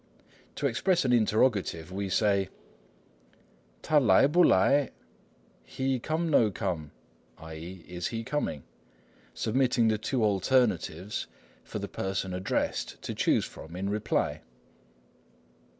To express an interrogative, we say,— 他来不来 t'a lai pu lai = "he come no come?" i.e. "is he coming?" submitting the two alternatives for the person addressed to choose from in reply.